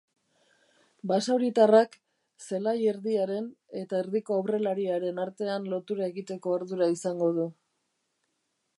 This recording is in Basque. Basauritarrak zelai erdiaren eta erdiko aurrelariaren artean lotura egiteko ardura izango du.